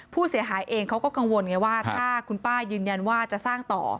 ผู้เสียหายเองเขาก็กังวลไงว่าถ้าคุณป้ายืนยันว่าจะสร้างต่อ